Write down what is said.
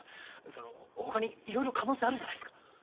その他にいろいろ可能性あるじゃないっすか。